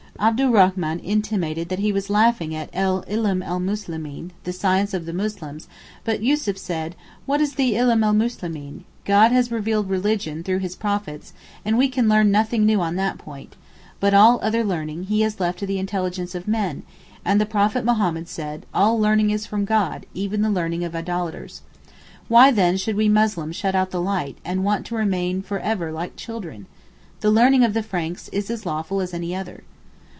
Abdurrachman intimated that he was laughing at El Ilm el Muslimeen (the science of the Muslims), but Yussuf said, 'What is the Ilm el Muslimeen? God has revealed religion through His prophets, and we can learn nothing new on that point; but all other learning He has left to the intelligence of men, and the Prophet Mohammed said, "All learning is from God, even the learning of idolaters." Why then should we Muslims shut out the light, and want to remain ever like children? The learning of the Franks is as lawful as any other.